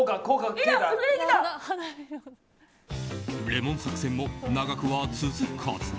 レモン作戦も長くは続かず。